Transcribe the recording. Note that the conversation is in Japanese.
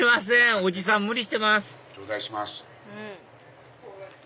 おじさん無理してます